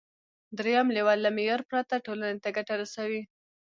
دریم لیول له معیار پرته ټولنې ته ګټه رسوي.